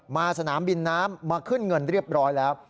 สนามบินน้ำมาขึ้นเงินเรียบร้อยแล้ว